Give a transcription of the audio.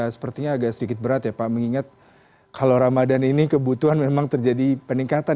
sepertinya agak sedikit berat ya pak mengingat kalau ramadan ini kebutuhan memang terjadi peningkatan